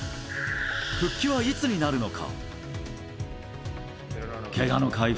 復帰はいつになるのか？